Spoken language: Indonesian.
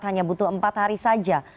hanya butuh empat hari saja